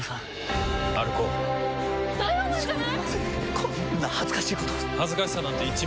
こんな恥ずかしいこと恥ずかしさなんて１ミリもない。